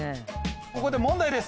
ここで問題です。